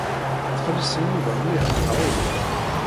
Tettxelliṣem Yuba mliḥ, neɣ uhu?